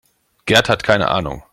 Gerd hat keine Ahnung.